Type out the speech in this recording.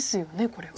これは。